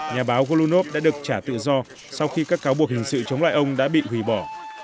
nhà báo golunov đã được trả tự do sau khi các cáo buộc hình sự chống lại ông đã bị hủy bỏ